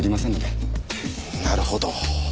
なるほど。